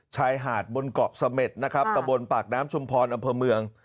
ชายหาดบนเกาะเสม็ดนะครับตะบนปากน้ำชุมพรอำเภอเมือง